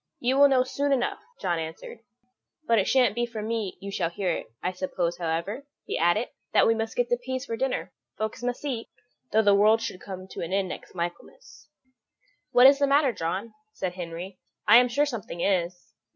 "You will know soon enough," John answered, "but it shan't be from me you shall learn it. I suppose, however," he added, "that we must get the peas for dinner; folks must eat, though the world should come to an end next Michaelmas." "What is the matter, John?" said Henry; "I am sure something is."